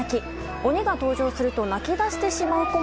鬼が登場すると泣き出してしまう子も。